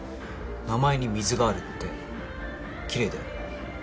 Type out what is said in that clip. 名前に水があるってきれいだよね。